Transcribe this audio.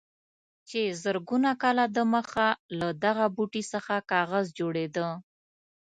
چې زرګونه کاله دمخه له دغه بوټي څخه کاغذ جوړېده.